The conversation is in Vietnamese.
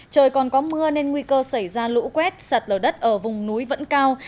trời còn có mưa nên nguy cơ xảy ra lũ quét sạt lở đất ở vùng núi vẫn cao